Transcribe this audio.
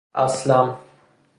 اَسلَم